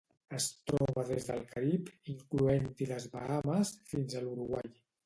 Es troba des del Carib, incloent-hi les Bahames, fins a l'Uruguai.